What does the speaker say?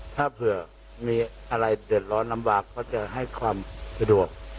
ถ้าเผื่อมีอะไรเดือดร้อนลำบากก็จะให้ความสะดวก